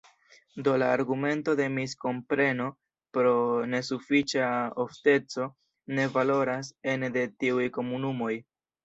Do la argumento de miskompreno pro nesufiĉa ofteco ne valoras ene de tiuj komunumoj.